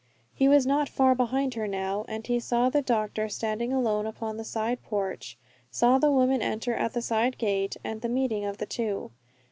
He was not far behind her now, and he saw the doctor standing alone upon the side porch, saw the woman enter at the side gate, and the meeting of the two.